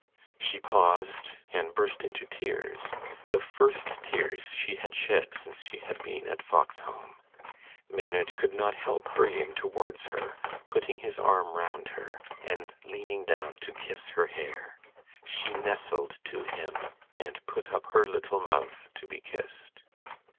She paused, and burst into tears the first tears she had shed since she had been at Foxholm. Maynard could not help hurrying towards her, putting his arm round her, and leaning down to kiss her hair. She nestled to him, and put up her little mouth to be kissed.